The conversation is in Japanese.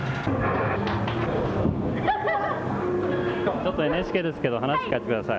ちょっとＮＨＫですけど話聞かせてください。